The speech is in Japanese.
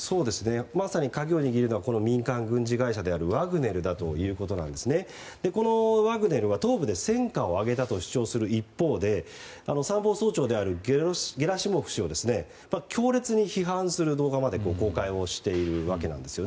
まさに、鍵を握るのは民間軍事会社であるワグネルだということですがこのワグネルは東部で戦果を挙げたと主張する一方で参謀総長であるゲラシモフ氏を強烈に批判する動画まで公開しているわけです。